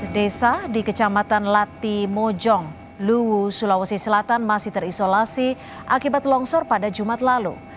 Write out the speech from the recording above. dua belas desa di kecamatan lati mojong luwu sulawesi selatan masih terisolasi akibat longsor pada jumat lalu